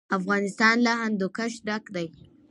افغانستان له هندوکش ډک دی.